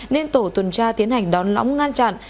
nên tổ tuần tra tiến hành đón lõng ngăn chặn